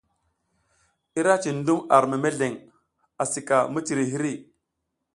Ira cin dum ar membeleng asi ka miciri hiri.